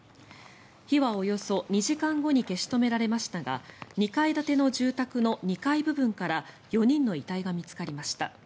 火はおよそ２時間後に消し止められましたが２階建ての住宅の２階部分から４人の遺体が見つかりました。